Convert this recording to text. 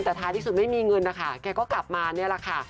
แต่ท้ายที่สุดไม่มีเงินนะคะแกก็กลับมาเนี่ยแหละค่ะ